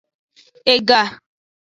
Ega.